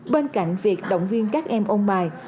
bên cạnh việc động viên các em ôn bài